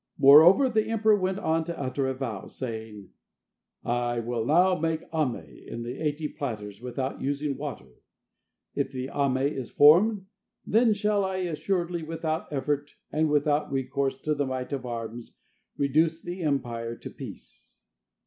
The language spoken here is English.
Moreover the emperor went on to utter a vow, saying: "I will now make Ame in the eighty platters without using water. If the Ame is formed, then shall I assuredly without effort and without recourse to the might of arms reduce the empire to peace."